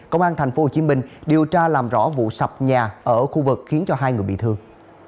công an tp hcm điều tra làm rõ vụ sập nhà ở khu vực khiến cho hai người bị thương